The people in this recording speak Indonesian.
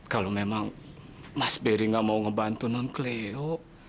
kalau memang mas beri gak mau ngebantuinan cleo